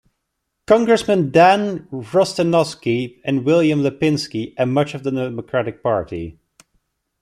Congressmen Dan Rostenkowski and William Lipinski, and much of the Democratic Party.